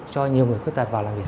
cho nhiều người khuất tật vào làm việc